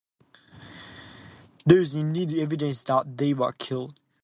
There is indeed evidence that they were killed.